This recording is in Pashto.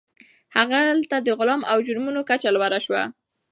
هلته د غلا او جرمونو کچه لوړه سوه.